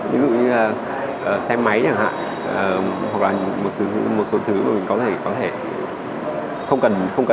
ví dụ như là xe máy chẳng hạn hoặc là một số thứ mình có thể không cần đến nó nữa